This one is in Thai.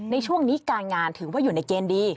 ในช่วงนี้การงานถือว่าอยู่ในเกณฑ์ดี